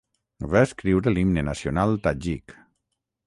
Va escriure l'himne nacional tadjik.